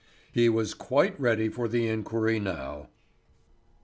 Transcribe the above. He was quite ready for the inquiry now.